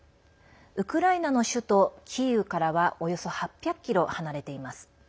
ウクライナの首都キーウからはおよそ８００ｋｍ離れています。